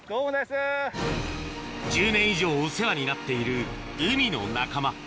１０年以上お世話になっている海の仲間